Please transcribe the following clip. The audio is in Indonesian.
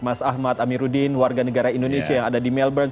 mas ahmad amiruddin warga negara indonesia yang ada di melbourne